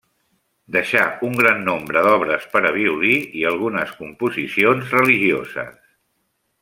Deixà un gran nombre d'obres per a violí i algunes composicions religioses.